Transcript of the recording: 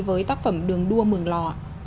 với tác phẩm đường đua mường lò